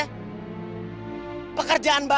pekerjaan bapak ini menyakutnya pak